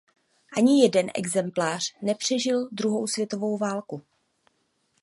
Ani jeden exemplář nepřežil druhou světovou válku.